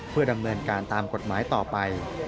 เพื่อดำเนินการตามกฎหมายต่อไป